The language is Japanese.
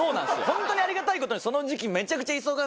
ホントにありがたいことに。